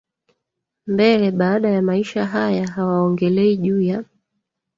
mbele baada ya maisha haya hawaongelei juu ya